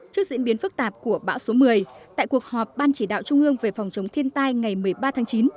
trước diễn biến phức tạp của bão số một mươi tại cuộc họp ban chỉ đạo trung ương về phòng chống thiên tai ngày một mươi ba tháng chín